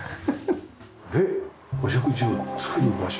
でお食事を作る場所。